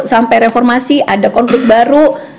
sampai reformasi ada konflik baru